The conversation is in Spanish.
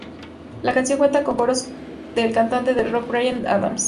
La canción cuenta con coros de el cantante de rock Bryan Adams.